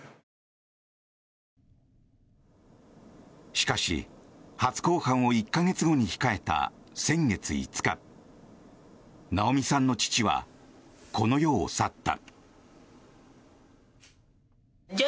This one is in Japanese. しかし、初公判を１か月後に控えた先月５日奈央美さんの父はこの世を去った。